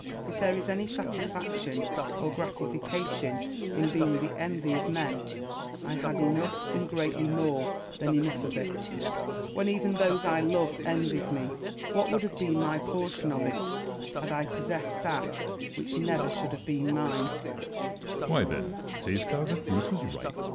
If there is any satisfaction or gratification in being the envy of men, I had enough and greatly more than enough of it, when even those I love envied me : what would have been my portion of it, had I possessed that which never should have been mine ? Edward. Why, then, sayst thou that Bruce was right % Wallace.